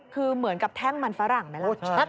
คือเหมือนกับแท่งมันฝรั่งไหมล่ะ